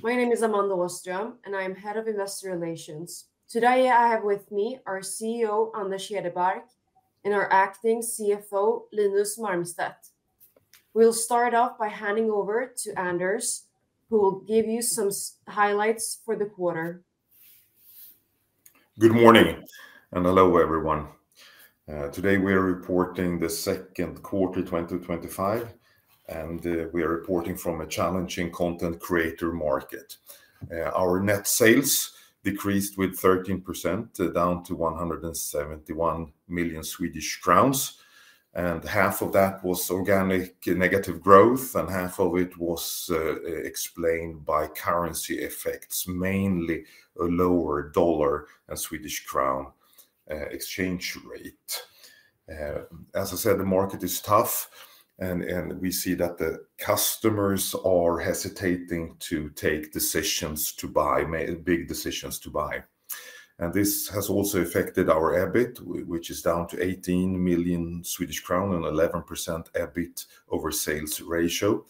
My name is Amanda Åström, and I am Head of Investor Relations. Today, I have with me our CEO, Anders Hedebark, and our Acting CFO, Linus Marmstedt. We'll start off by handing over to Anders, who will give you some highlights for the quarter. Good morning, and hello everyone. Today, we are reporting the second quarter, 2025, and we are reporting from a challenging content creator market. Our net sales decreased by 13%, down to 171 million Swedish crowns, and half of that was organic negative growth, and half of it was explained by currency effects, mainly a lower dollar or Swedish krona exchange rate. As I said, the market is tough, and we see that the customers are hesitating to take decisions to buy, big decisions to buy. This has also affected our EBIT, which is down to 18 million Swedish crown and 11% EBIT over sales ratio.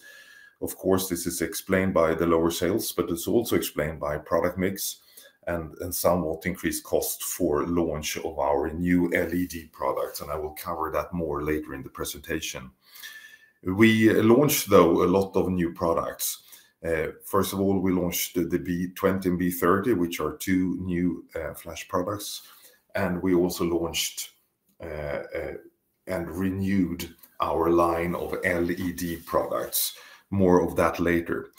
Of course, this is explained by the lower sales, but it's also explained by product mix and somewhat increased cost for launch of our new LED products, and I will cover that more later in the presentation. We launched, though, a lot of new products. First of all, we launched the B20 and B30, which are two new flash products, and we also launched and renewed our line of LED products. More of that later.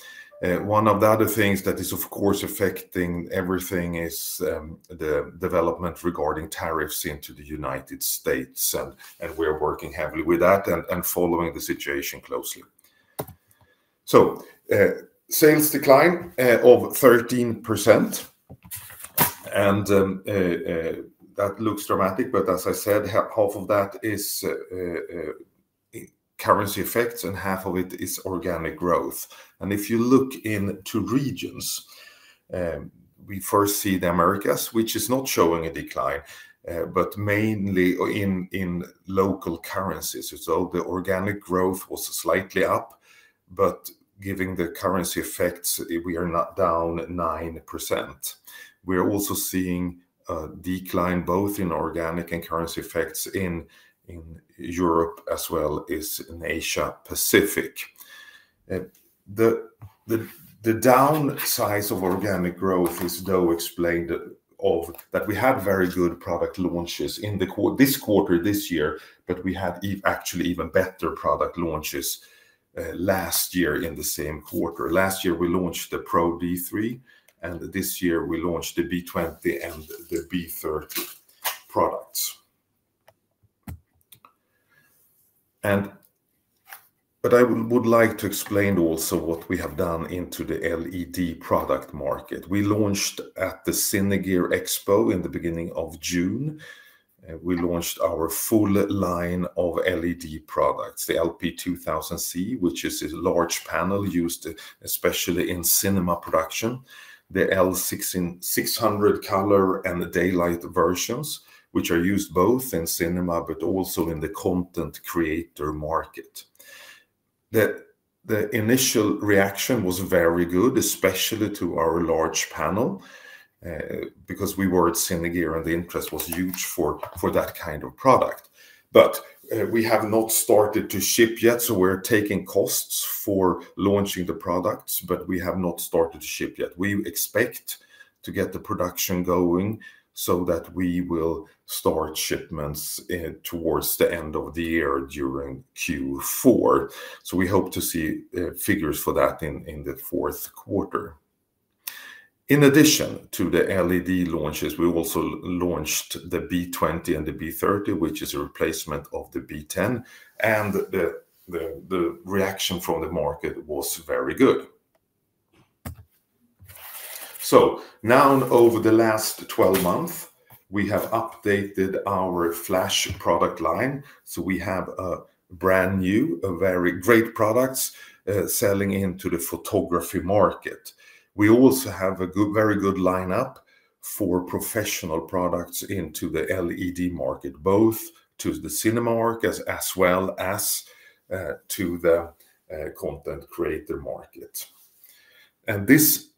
One of the other things that is, of course, affecting everything is the development regarding tariffs into the United States, and we're working heavily with that and following the situation closely. Sales declined by 13%, and that looks dramatic, but as I said, half of that is currency effects, and half of it is organic growth. If you look into regions, we first see the Americas, which is not showing a decline, but mainly in local currencies. The organic growth was slightly up, but given the currency effects, we are now down 9%. We're also seeing a decline both in organic and currency effects in Europe as well as in Asia Pacific. The downside of organic growth is explained that we had very good product launches in this quarter this year, but we had actually even better product launches last year in the same quarter. Last year, we launched the Pro D3, and this year, we launched the B20 and the B30 products. I would like to explain also what we have done into the LED product market. We launched at the Cine Gear Expo in the beginning of June. We launched our full line of LED products, the LP2000C, which is a large panel used especially in cinema production, the L1600 Color and Daylight versions, which are used both in cinema but also in the content creator market. The initial reaction was very good, especially to our large panel, because we were at Cine Gear and the interest was huge for that kind of product. We have not started to ship yet, so we're taking costs for launching the products, but we have not started to ship yet. We expect to get the production going so that we will start shipments towards the end of the year during Q4. We hope to see figures for that in the fourth quarter. In addition to the LED launches, we also launched the B20 and the B30, which is a replacement of the B10, and the reaction from the market was very good. Over the last 12 months, we have updated our flash product line. We have brand new, very great products selling into the photography market. We also have a very good lineup for professional products into the LED market, both to the cinema market as well as to the content creator market. This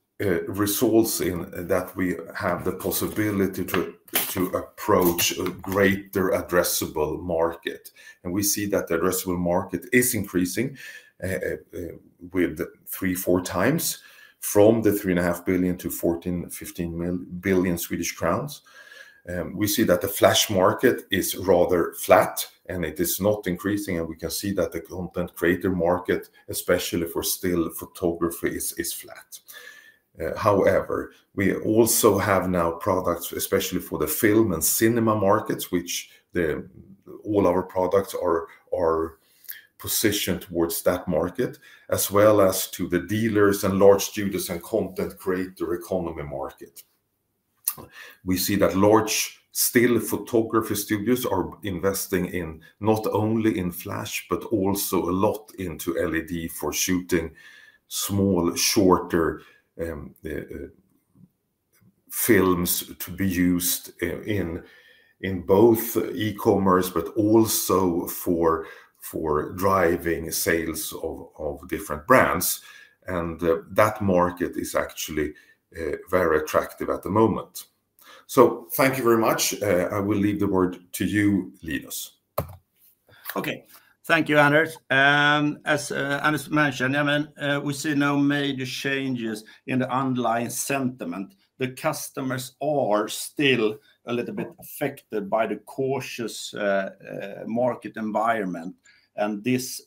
results in that we have the possibility to approach a greater addressable market. We see that the addressable market is increasing with three, four times from 3.5 billion-14 billion Swedish crowns/SEK 15 billion. We see that the flash market is rather flat, and it is not increasing, and we can see that the content creator market, especially for still photography, is flat. However, we also have now products, especially for the film and cinema markets, which all our products are positioned towards that market, as well as to the dealers and large studios and content creator economy market. We see that large still photography studios are investing in not only flash, but also a lot into LED for shooting small, shorter films to be used in both e-commerce, but also for driving sales of different brands. That market is actually very attractive at the moment. Thank you very much. I will leave the word to you, Linus. Okay, thank you, Anders. As Anders mentioned, we see no major changes in the underlying sentiment. The customers are still a little bit affected by the cautious market environment. This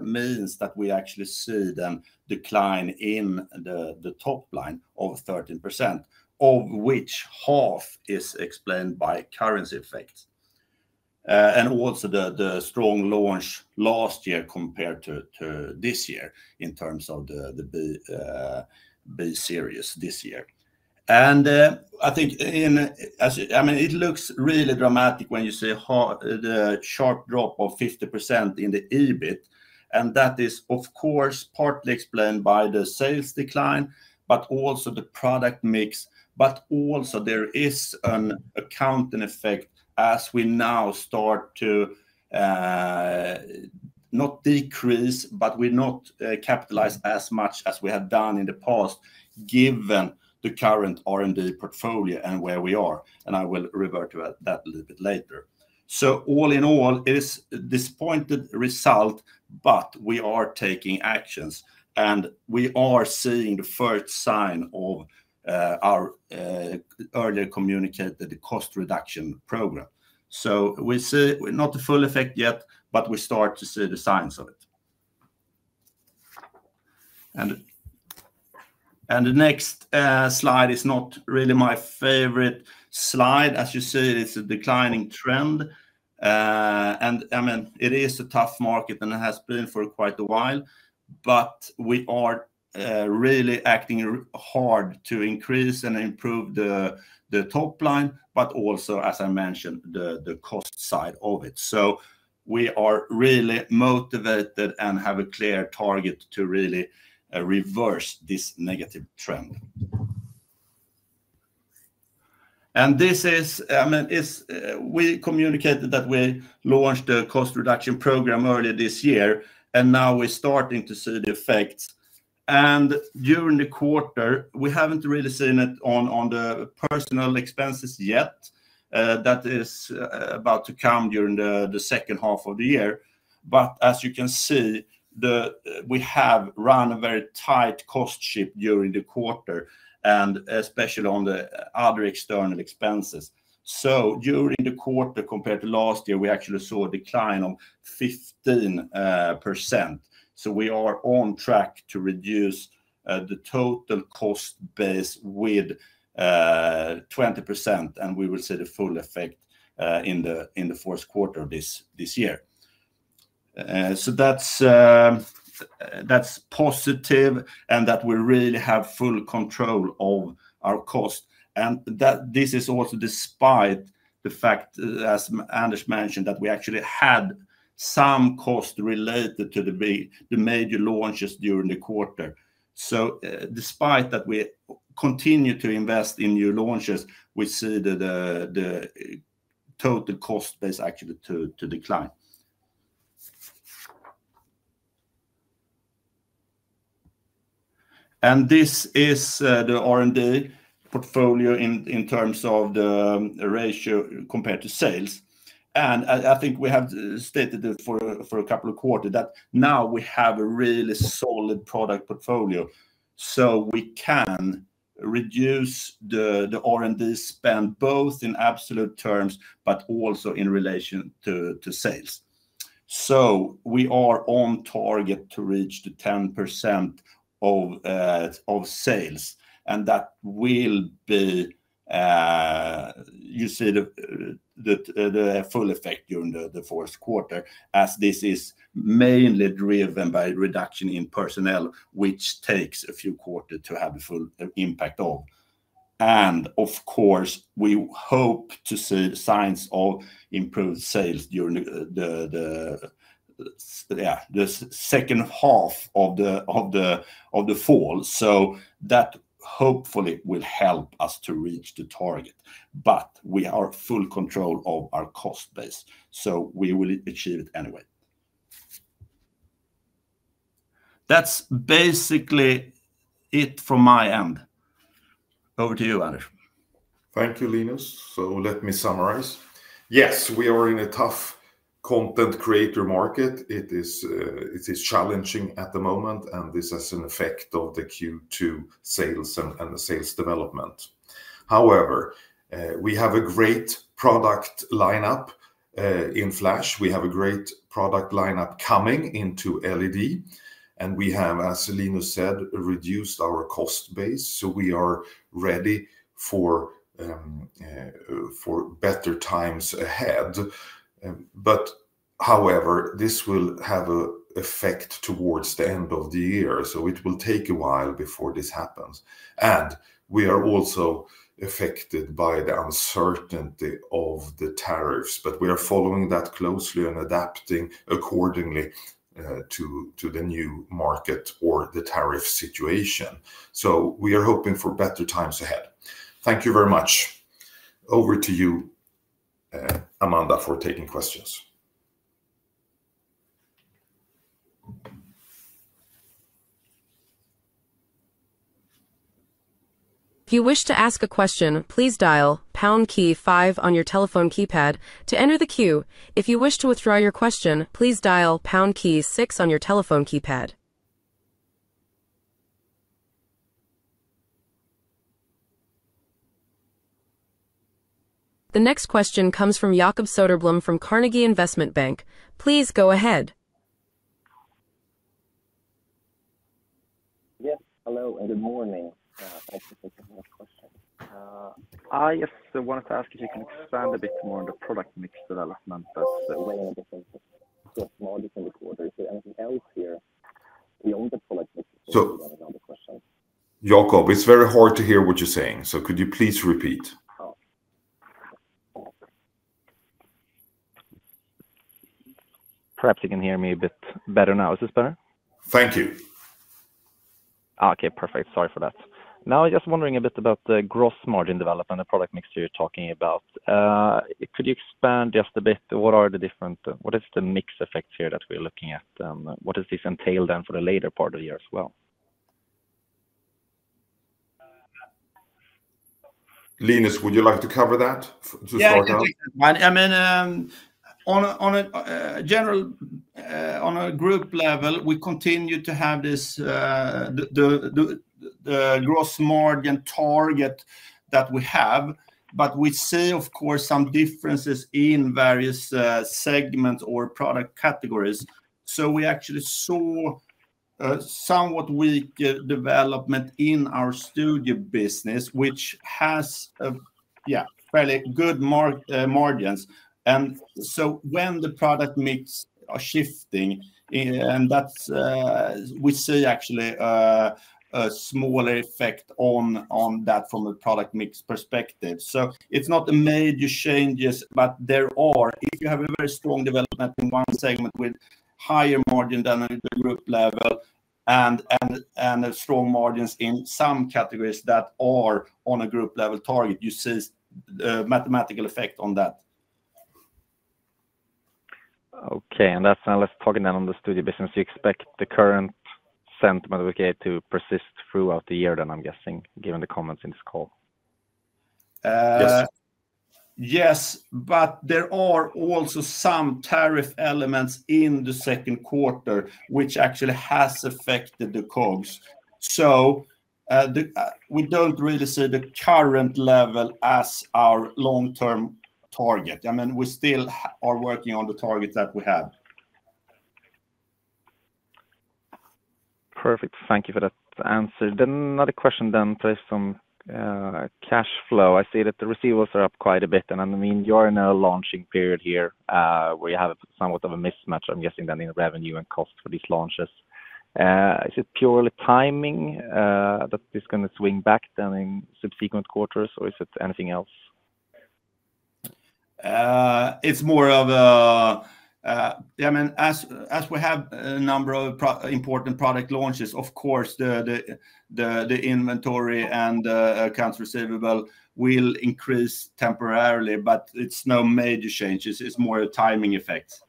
means that we actually see the decline in the top line of 13%, of which half is explained by currency effects and also the strong launch last year compared to this year in terms of the B-series this year. I think it looks really dramatic when you see the sharp drop of 50% in the EBIT. That is, of course, partly explained by the sales decline, but also the product mix. There is an accounting effect as we now start to not decrease, but we're not capitalizing as much as we had done in the past given the current R&D portfolio and where we are. I will revert to that a little bit later. All in all, it is a disappointing result, but we are taking actions. We are seeing the first sign of our earlier communicated cost reduction program. We see not the full effect yet, but we start to see the signs of it. The next slide is not really my favorite slide. As you see, it's a declining trend. It is a tough market and it has been for quite a while. We are really acting hard to increase and improve the top line, but also, as I mentioned, the cost side of it. We are really motivated and have a clear target to really reverse this negative trend. We communicated that we launched a cost reduction program earlier this year, and now we're starting to see the effects. During the quarter, we haven't really seen it on the personnel expenses yet. That is about to come during the second half of the year. As you can see, we have run a very tight cost shift during the quarter, and especially on the other external expenses. During the quarter compared to last year, we actually saw a decline of 15%. We are on track to reduce the total cost base by 20%, and we will see the full effect in the first quarter of this year. That's positive and that we really have full control of our cost. This is also despite the fact, as Anders mentioned, that we actually had some cost related to the major launches during the quarter. Despite that, we continue to invest in new launches, we see the total cost base actually decline. This is the R&D portfolio in terms of the ratio compared to sales. I think we have stated it for a couple of quarters that now we have a really solid product portfolio. We can reduce the R&D spend both in absolute terms and in relation to sales. We are on target to reach the 10% of sales. You will see the full effect during the first quarter, as this is mainly driven by a reduction in personnel, which takes a few quarters to have a full impact. Of course, we hope to see the signs of improved sales during the second half of the fall. That hopefully will help us to reach the target. We are in full control of our cost base. We will achieve it anyway. That's basically it from my end. Over to you, Anders. Thank you, Linus. Let me summarize. Yes, we are in a tough content creator market. It is challenging at the moment, and this has an effect on the Q2 sales and the sales development. However, we have a great product lineup in flash. We have a great product lineup coming into LED, and we have, as Linus said, reduced our cost base. We are ready for better times ahead. However, this will have an effect towards the end of the year. It will take a while before this happens. We are also affected by the uncertainty of the tariffs. We are following that closely and adapting accordingly to the new market or the tariff situation. We are hoping for better times ahead. Thank you very much. Over to you, Amanda, for taking questions. If you wish to ask a question, please dial Pound key, five on your telephone keypad to enter the queue. If you wish to withdraw your question, please dial Pound, key six on your telephone keypad. The next question comes from Jakob Söderblom from Carnegie Investment Bank. Please go ahead. Yes, hello and good morning. I see that you have a question. I just wanted to ask if you could expand a bit more on the product mix development that's going on in the second quarter. Is there anything else here beyond the product mix? Jakob, it's very hard to hear what you're saying. Could you please repeat? Perhaps you can hear me a bit better now. Is this better? Thank you. Okay, perfect. Sorry for that. Now I'm just wondering a bit about the gross margin development and the product mix you're talking about. Could you expand just a bit? What are the different, what is the mix effects here that we're looking at? What does this entail then for the later part of the year as well? Linus, would you like to cover that? Yeah, I mean, on a general group level, we continue to have this gross margin target that we have, but we see, of course, some differences in various segments or product categories. We actually saw somewhat weak development in our studio business, which has fairly good margins. When the product mix is shifting, we see actually a smaller effect on that from a product mix perspective. It's not the major changes, but there are, if you have a very strong development in one segment with higher margin than at the group level, and strong margins in some categories that are on a group level target, you see the mathematical effect on that. Okay, that's fine. Let's talk then on the studio business. You expect the current sentiment we get to persist throughout the year then, I'm guessing, given the comments in this call. Yes, there are also some tariff elements in the second quarter, which actually has affected the COGs. We don't really see the current level as our long-term target. I mean, we still are working on the targets that we have. Perfect. Thank you for that answer. Another question on cash flow. I see that the receivables are up quite a bit, and I mean, you're in a launching period here where you have somewhat of a mismatch, I'm guessing, in revenue and cost for these launches. Is it purely timing that this is going to swing back in subsequent quarters, or is it anything else? It's more of a, I mean, as we have a number of important product launches, of course, the inventory and accounts receivable will increase temporarily, but it's no major change. It's more a timing effect.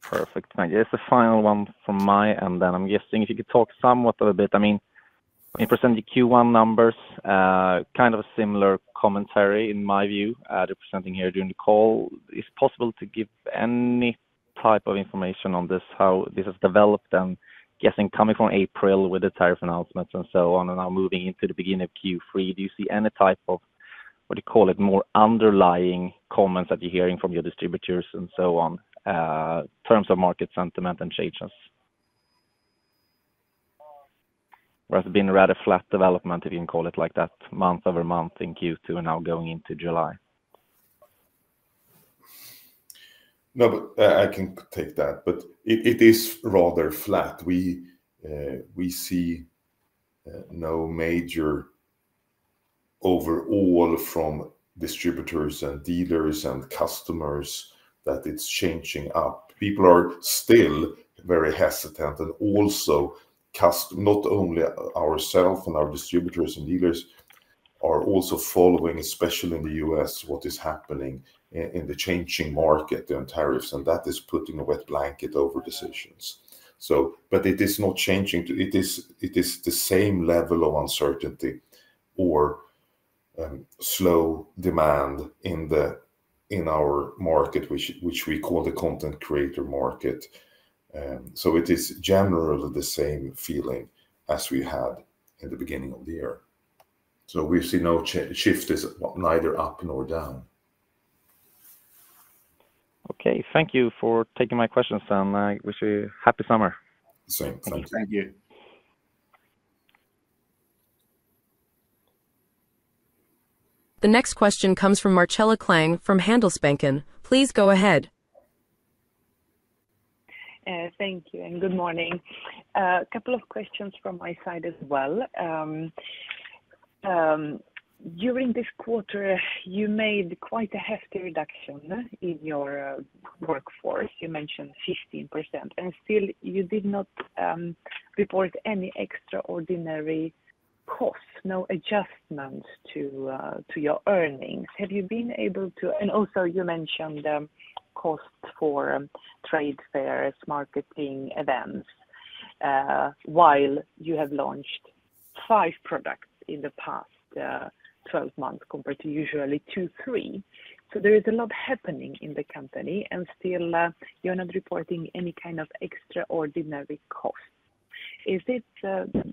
Perfect. Thank you. Here's the final one from my end then. I'm guessing if you could talk somewhat of a bit, I mean, you present the Q1 numbers, kind of a similar commentary in my view, representing here during the call. Is it possible to give any type of information on this, how this has developed and guessing coming from April with the tariff announcements and so on, and now moving into the beginning of Q3? Do you see any type of, what do you call it, more underlying comments that you're hearing from your distributors and so on, in terms of market sentiment and changes? Whereas it's been a rather flat development, if you can call it like that, month over month in Q2 and now going into July. No, I can take that. It is rather flat. We see no major overall from distributors and dealers and customers that it's changing up. People are still very hesitant, and also not only ourselves, our distributors and dealers are also following, especially in the U.S., what is happening in the changing market and tariffs, and that is putting a wet blanket over decisions. It is not changing. It is the same level of uncertainty or slow demand in our market, which we call the content creator market. It is generally the same feeling as we had in the beginning of the year. We see no shift, neither up nor down. Okay, thank you for taking my questions. I wish you a happy summer. Same. Thank you. The next question comes from Marcella Klang from Handelsbanken. Please go ahead. Thank you and good morning. A couple of questions from my side as well. During this quarter, you made quite a hefty reduction in your workforce. You mentioned 15%. Still, you did not report any extraordinary costs, no adjustments to your earnings. Have you been able to, and also you mentioned the cost for trade fairs, marketing events, while you have launched five products in the past 12 months compared to usually two, three. There is a lot happening in the company, and still, you're not reporting any kind of extraordinary cost. Is it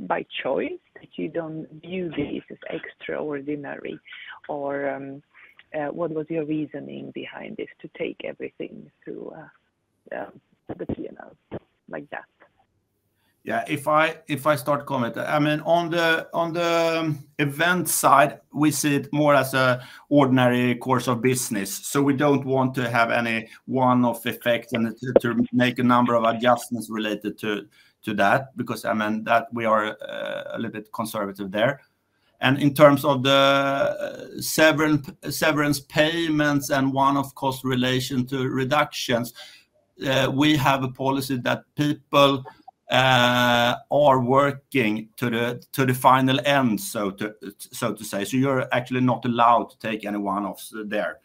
by choice that you don't view this as extraordinary, or what was your reasoning behind this to take everything through the clearance like that? Yeah, if I start commenting, I mean, on the event side, we see it more as an ordinary course of business. We don't want to have any one-off effects and to make a number of adjustments related to that because, I mean, we are a little bit conservative there. In terms of the severance payments and one-off cost relation to reductions, we have a policy that people are working to the final end, so to say. You're actually not allowed to take any one-offs there.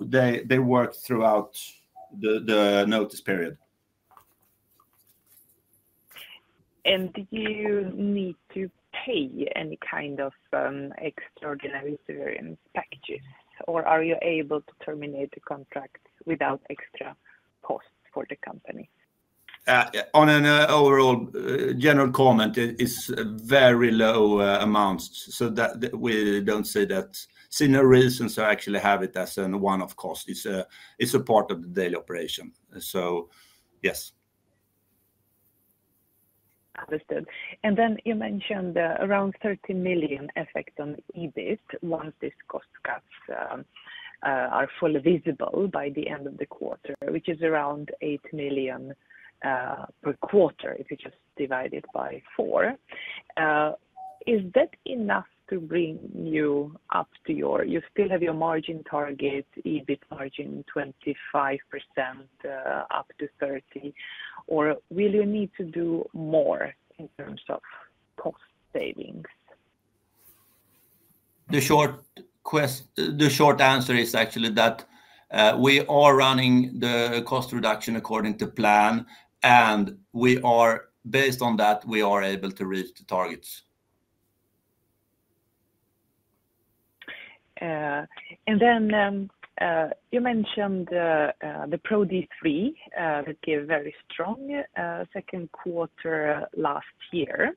They work throughout the notice period. Do you need to pay any kind of extraordinary severance packages, or are you able to terminate the contract without extra costs for the company? On an overall general comment, it's very low amounts. We don't see that senior reasons actually have it as a one-off cost. It's a part of the daily operation. Yes. Understood. You mentioned around 13 million effect on EBIT once these cost cuts are fully visible by the end of the quarter, which is around 8 million per quarter if you just divide it by four. Is that enough to bring you up to your margin target, EBIT margin 25% up to 30%, or will you need to do more in terms of cost savings? The short answer is actually that we are running the cost reduction according to plan, and we are, based on that, able to reach the targets. You mentioned the Pro D3 that gave a very strong second quarter last year.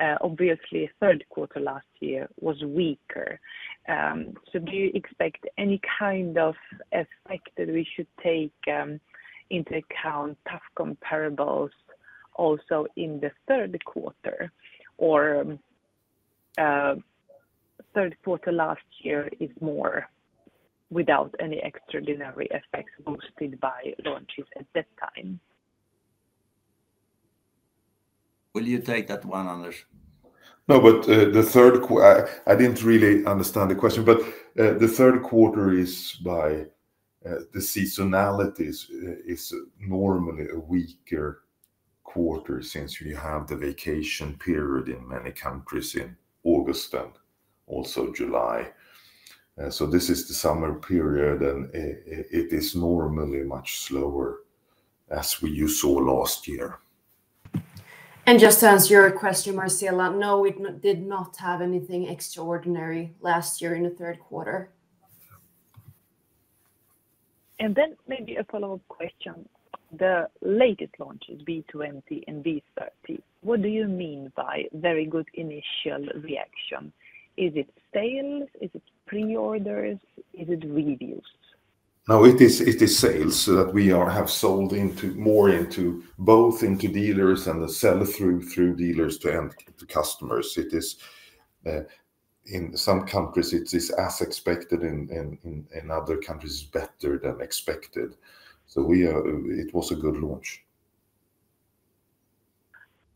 Obviously, third quarter last year was weaker. Do you expect any kind of effect that we should take into account, tough comparables also in the third quarter, or third quarter last year is more without any extraordinary effects boosted by launches at that time? Will you take that one, Anders? No, but the third, I didn't really understand the question, but the third quarter is by the seasonalities is normally a weaker quarter since we have the vacation period in many countries in August and also July. This is the summer period, and it is normally much slower as we saw last year. To answer your question, Marcella, no, we did not have anything extraordinary last year in the third quarter. Maybe a follow-up question. The latest launches, B20 and B30, what do you mean by very good initial reaction? Is it sales? Is it pre-orders? Is it reviews? No, it is sales that we have sold more into both into dealers and the sell-through dealers to end customers. It is in some countries, it is as expected, and in other countries, it is better than expected. It was a good launch.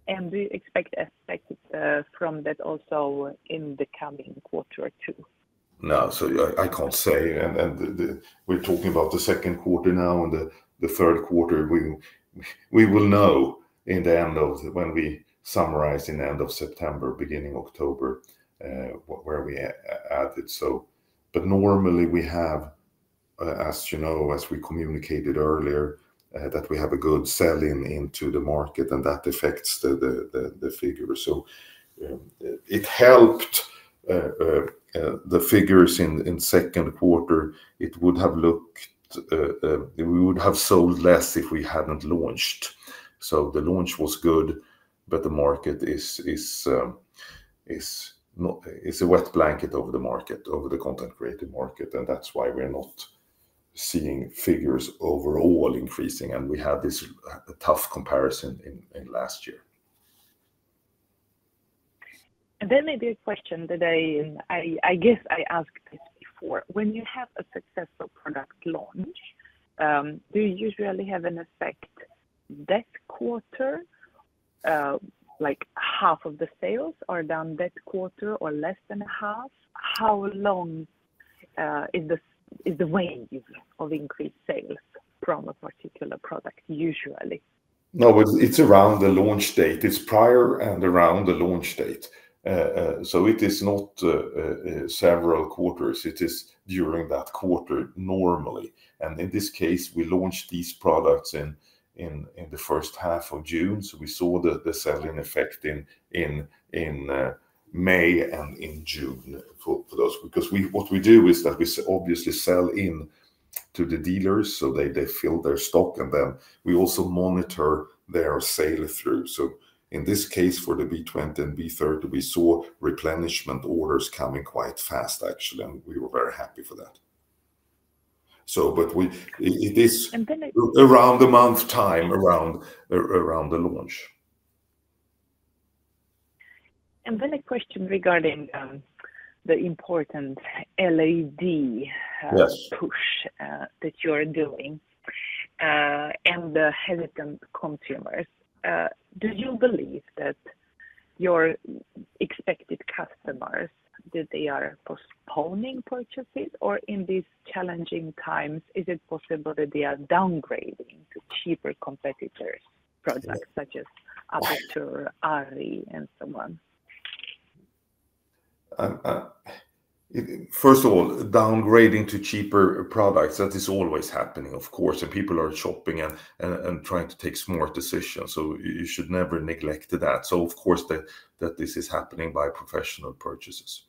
Do you expect aspects from that also in the coming quarter or two? No, so I can't say. We're talking about the second quarter now and the third quarter. We will know when we summarize at the end of September, beginning October, where we added. Normally, as you know, as we communicated earlier, we have a good selling into the market and that affects the figures. It helped the figures in the second quarter. It would have looked, we would have sold less if we hadn't launched. The launch was good, but the market is a wet blanket over the market, over the content creative market. That's why we're not seeing figures overall increasing. We have this tough comparison in last year. Maybe a question that I, and I guess I asked this before. When you have a successful product launch, do you usually have an effect in that quarter? Like half of the sales are done that quarter or less than half? How long is the wave of increased sales from a particular product usually? No, but it's around the launch date. It's prior and around the launch date. It is not several quarters. It is during that quarter normally. In this case, we launched these products in the first half of June. We saw the selling effect in May and in June for those. What we do is that we obviously sell into the dealers so they fill their stock, and then we also monitor their sale through. In this case, for the B20 and B30, we saw replenishment orders coming quite fast, actually, and we were very happy for that. It is around the month time, around the launch. A question regarding the important LED push that you are doing and the hesitant consumers. Do you believe that your expected customers, that they are postponing purchases, or in these challenging times, is it possible that they are downgrading to cheaper competitors' products such as Aputure, ARRI, and so on? First of all, downgrading to cheaper products, that is always happening, of course. People are shopping and trying to take smart decisions, so you should never neglect that. Of course, this is happening by professional purchases.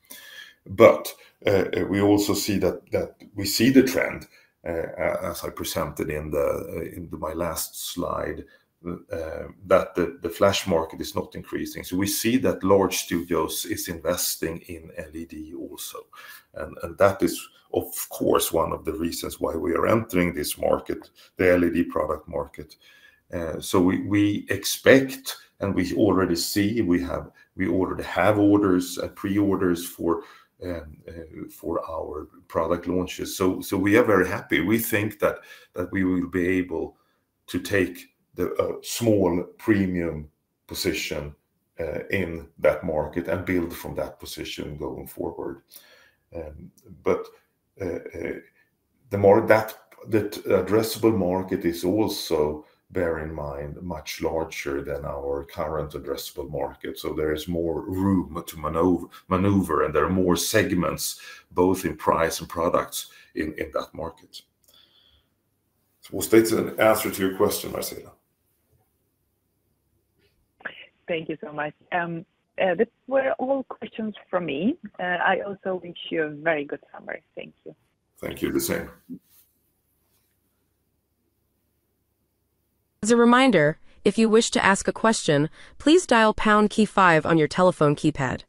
We also see the trend, as I presented in my last slide, that the flash market is not increasing. We see that large studios are investing in LED also. That is, of course, one of the reasons why we are entering this market, the LED product market. We expect, and we already see, we already have orders, pre-orders for our product launches. We are very happy. We think that we will be able to take a small premium position in that market and build from that position going forward. The addressable market is also, bear in mind, much larger than our current addressable market. There is more room to maneuver, and there are more segments, both in price and products, in that market. That is an answer to your question, Marcella. Thank you so much. These were all questions for me. I also wish you a very good summer. Thank you. Thank you, the same. As a reminder, if you wish to ask a question, please dial Pound key, five on your telephone keypad.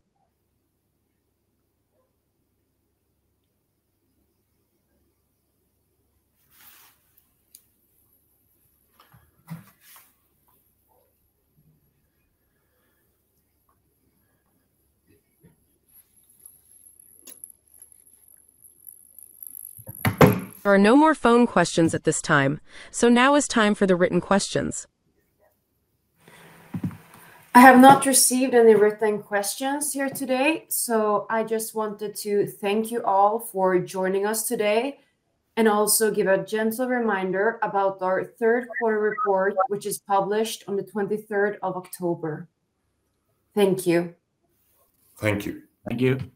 There are no more phone questions at this time. Now is time for the written questions. I have not received any written questions here today. I just wanted to thank you all for joining us today and also give a gentle reminder about our third quarter report, which is published on the 23rd of October. Thank you. Thank you. Thank you.